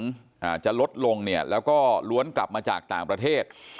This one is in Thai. อ่าจะลดลงเนี่ยแล้วก็ล้วนกลับมาจากต่างประเทศ